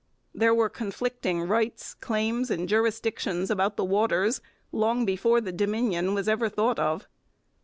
There were conflicting rights, claims, and jurisdictions about the waters long before the Dominion was ever thought of.